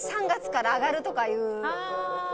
３月から上がるとかいう。